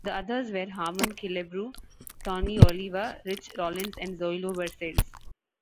The others were Harmon Killebrew, Tony Oliva, Rich Rollins and Zoilo Versalles.